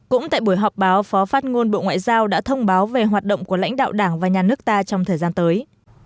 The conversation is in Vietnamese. cũng tại buổi họp báo phó phát ngôn bộ ngoại giao đã thông báo về hoạt động của lãnh đạo đảng và nhà nước ta trong thời gian tới